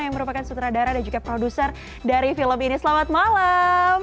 yang merupakan sutradara dan juga produser dari film ini selamat malam